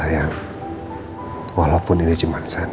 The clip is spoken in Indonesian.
rena sayang walaupun ini cuman sen